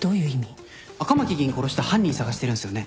赤巻議員殺した犯人捜してるんすよね？